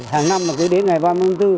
hàng năm là cứ đến ngày ba mươi tháng bốn